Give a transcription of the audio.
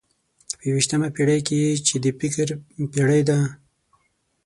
په یوویشتمه پېړۍ کې چې د فکر پېړۍ ده.